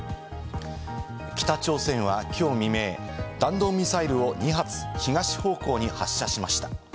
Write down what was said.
北朝鮮はきょう未明、弾道ミサイルを２発、東方向に発射しました。